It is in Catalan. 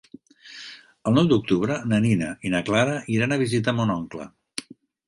El nou d'octubre na Nina i na Clara iran a visitar mon oncle.